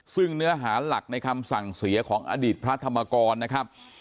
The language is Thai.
ซึ่งเนื้อหาหลักในคำสั่งเสียของอดีตพระธรรมกรนะครับ